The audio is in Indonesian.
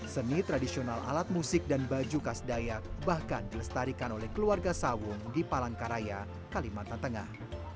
seni tradisional alat musik dan baju khas dayak bahkan dilestarikan oleh keluarga sawung di palangkaraya kalimantan tengah